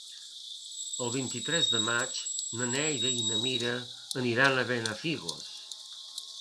El vint-i-tres de maig na Neida i na Mira aniran a Benafigos.